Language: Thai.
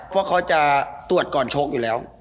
เพราะเขาจะตรวจก่อนโชคอยู่แล้ว